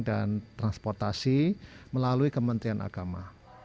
dan transportasi melalui kementerian agama